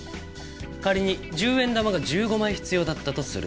仮に１０円玉が１５枚必要だったとする。